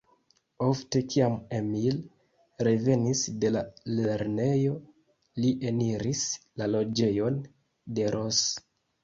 Ofte, kiam Emil revenis de la lernejo, li eniris la loĝejon de Ros.